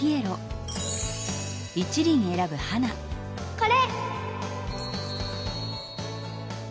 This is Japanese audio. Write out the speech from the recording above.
これ！